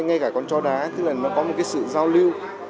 ngay cả con chó đá tức là nó có một cái sự giao lưu